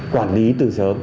quản lý từ sớm